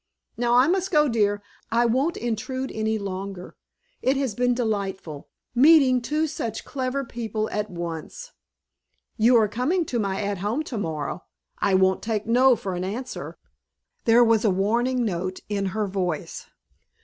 Now, I must go, dear. I won't intrude any longer. It has been delightful, meeting two such clever people at once. You are coming to my 'At Home' tomorrow. I won't take no for an answer." There was a warning note in her voice.